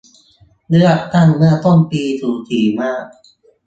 เลือกตั้งเมื่อต้นปีสูสีมาก